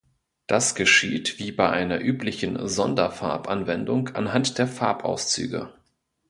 Das geschieht, wie bei einer üblichen Sonderfarb-Anwendung, anhand der Farbauszüge.